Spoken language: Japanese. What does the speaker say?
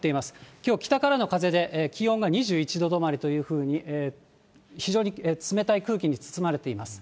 きょう、北からの風で気温が２１度止まりというふうに、非常に冷たい空気に包まれています。